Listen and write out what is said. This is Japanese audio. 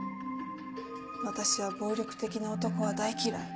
私は暴力的な男は大嫌い。